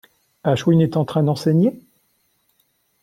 Ashwin est en train d’enseigner ?